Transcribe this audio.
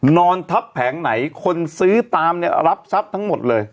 นอนทับแผงไหนคนซื้อตามรับทั้งหมดเลย